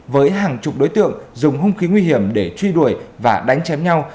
với hàng chục đối tượng dùng hung khí nguy hiểm để truy đuổi và đánh chém nhau